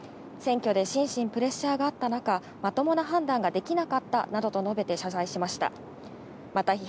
選挙で心身プレッシャーがあった中、まともな判断ができなかったなどと述べて謝罪しました。